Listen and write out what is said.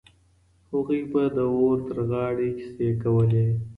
هغوی به د اور تر غاړې کيسې کولې.